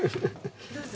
どうぞ。